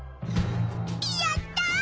やった！